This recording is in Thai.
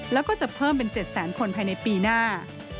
แล้วก็จะเพิ่มเป็น๗แสนคนภายในปีหน้า